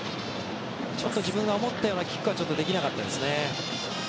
自分が思ったようなキックができなかったですね。